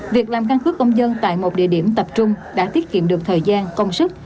việc làm căn cước công dân tại một địa điểm tập trung đã tiết kiệm được thời gian công sức